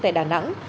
tại đà nẵng